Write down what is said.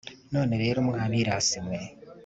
none rero mwa birasi mwe